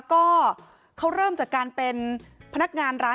ก็เขาเริ่มจากการเป็นพนักงานร้าน